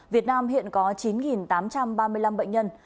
việt nam hiện có chín tám trăm ba mươi năm bệnh nhân